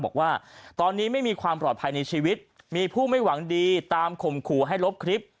บอกว่าตอนนี้ไม่มีความปลอดภัยในชีวิตมีผู้ไม่หวังดีตามข่มขู่ให้ลบคลิป